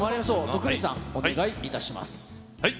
徳光さん、お願いいたします。